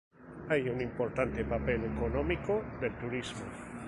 Hay un importante papel económico del turismo.